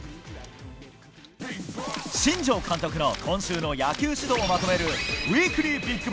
新庄監督の今週の野球指導をまとめるウィークリー